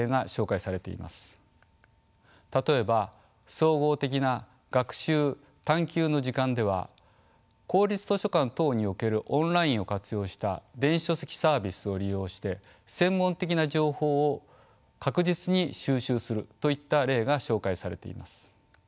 例えば総合的な学習探究の時間では「公立図書館等におけるオンラインを活用した電子書籍サービスを利用して専門的な情報を確実に収集する」といった例が紹介されています。